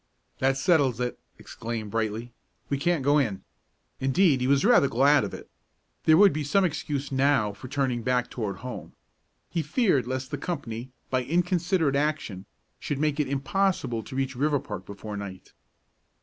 "That settles it!" exclaimed Brightly; "we can't go in." Indeed, he was rather glad of it. There would be some excuse now for turning back toward home. He feared lest the company, by inconsiderate action, should make it impossible to reach Riverpark before night.